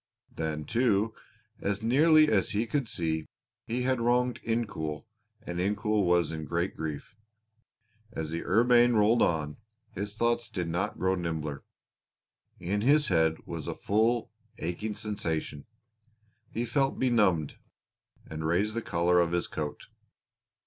Then, too, as nearly as he could see, he had wronged Incoul and Incoul was in great grief. As the Urbaine rolled on, his thoughts did not grow nimbler. In his head was a full, aching sensation; he felt benumbed, and raised the collar of his coat.